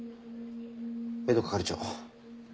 江戸係長。